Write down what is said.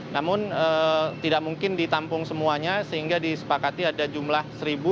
namun tidak mungkin ditampung semuanya sehingga disepakati ada jumlah seribu